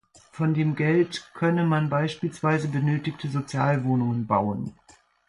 Von dem Geld könne man beispielsweise benötigte Sozialwohnungen bauen.